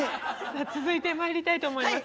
続いてまいりたいと思います。